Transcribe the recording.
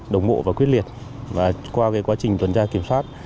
đồng bộ và quyết liệt và qua quá trình tuần tra kiểm soát